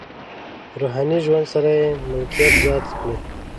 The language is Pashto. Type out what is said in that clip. روحاني ژوند سره یې ملکیت زیات کړ.